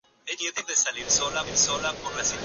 Desde su muerte, se ha dedicado más a la ciencia.